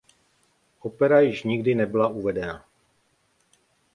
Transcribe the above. Opera již nikdy nebyla uvedena.